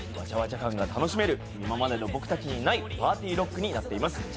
ちゃわちゃ感が楽しめる、今までの僕たちにないパーティーロックになってます。